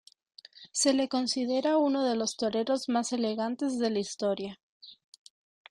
Se le considera uno de los toreros más elegantes de la historia.